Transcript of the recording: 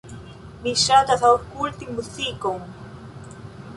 Mi ŝatas aŭskulti muzikon.